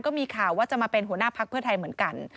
ก็มีข่าวว่าจะมาเป็นหัวหน้าพักเพื่อไทยเหมือนกัน